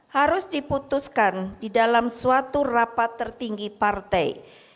harus diputuskan di dalam suatu rapat tertinggi partai